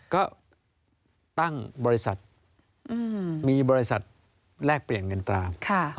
ก็ตั้งบริษัทมีบริษัทแลกเปลี่ยนเงินตรา